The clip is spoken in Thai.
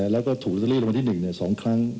แล้วก็ถูกรุธรีย์ลงมาที่๑เนี่ย๒ครั้ง